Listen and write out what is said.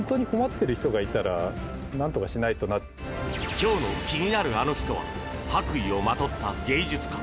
今日の気になるアノ人は白衣をまとった芸術家。